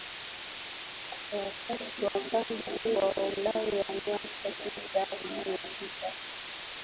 kwa wakazi wa Ulaya miaka sita iliyopita